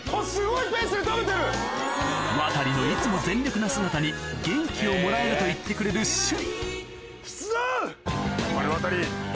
ワタリのいつも全力な姿に元気をもらえると言ってくれる趣里頑張れワタリ。